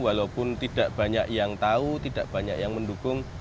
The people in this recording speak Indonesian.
walaupun tidak banyak yang tahu tidak banyak yang mendukung